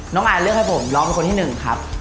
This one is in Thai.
น้องอายเลือกให้ผมร้องเป็นคนที่หนึ่งครับ